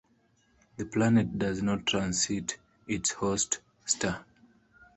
The planet does not transit its host star.